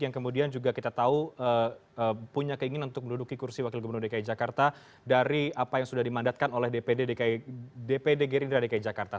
yang kemudian juga kita tahu punya keinginan untuk menduduki kursi wakil gubernur dki jakarta dari apa yang sudah dimandatkan oleh dpd gerindra dki jakarta